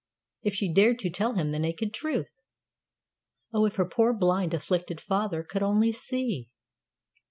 If she dared to tell him the naked truth! Oh, if her poor, blind, afflicted father could only see!